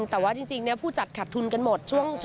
แต่ว่าจริงผู้จัดขับทุนกันหมด